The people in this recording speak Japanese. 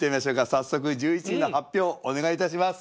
早速１１位の発表お願いいたします。